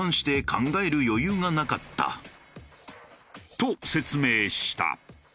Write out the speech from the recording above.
と説明した。